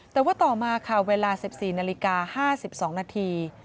แต่ว่าต่อมาค่ะเวลา๑๔นาฬิกา๕๒นาที